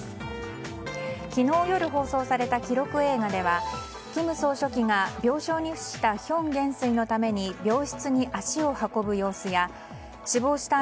昨日夜放送された記録映画では金総書記が病床に伏したヒョン元師のために病室に足を運ぶ様子や死亡した